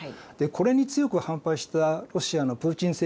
これに強く反発したロシアのプーチン政権がですね